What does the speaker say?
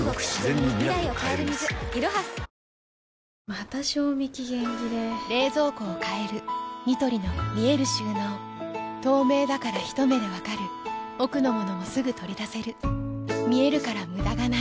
また賞味期限切れ冷蔵庫を変えるニトリの見える収納透明だからひと目で分かる奥の物もすぐ取り出せる見えるから無駄がないよし。